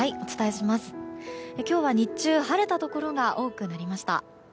今日は日中晴れたところが多くなりました。